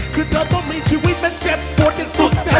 คือเธอต้องมีชีวิตและเจ็บปวดอย่างสุดแสน